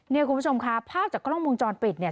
คุณผู้ชมค่ะภาพจากกล้องวงจรปิดเนี่ย